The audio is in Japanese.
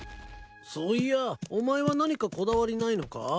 そういやお前は何かこだわりないのか？